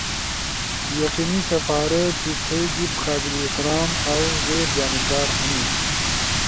یقینی سپارے چی تھئی جیب قابل احترام اؤ غیر جانب دار ہنی۔